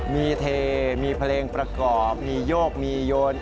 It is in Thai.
มีเทมีเพลงประกอบมีโยกมีโยน